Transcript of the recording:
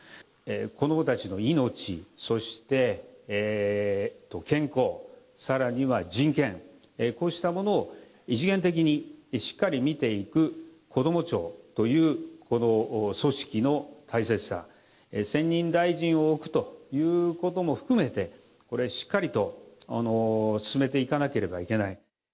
子どもたちの命、そして健康、さらには人権、こうしたものを一元的にしっかり見ていくこども庁というこの組織の大切さ、専任大臣を置くということも含めて、これ、しっかりと進めていかなければいけない。